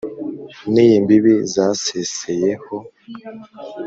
n' iy' imbibi zaseseyeho